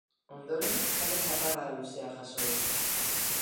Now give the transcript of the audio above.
Ondoren, txalo-zaparrada luzea jaso du.